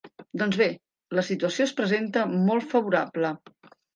Doncs bé, la situació es presenta molt favorable.